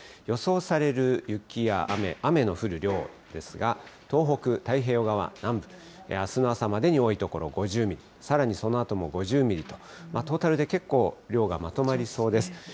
予想される雪や雨、雨の降る量ですが、東北太平洋側南部、あすの朝までに多い所５０ミリ、さらにそのあとも５０ミリと、トータルで結構量がまとまりそうです。